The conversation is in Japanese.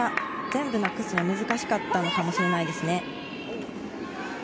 全部なくすのには難しかったのかもしれないですね。